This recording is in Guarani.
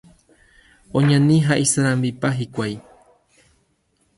Oñani ha isarambipa hikuái.